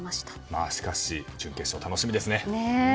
しかし準決勝、楽しみですね。